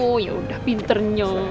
oh ya udah pinternya